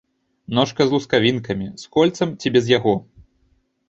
Ножка з лускавінкамі, з кольцам ці без яго.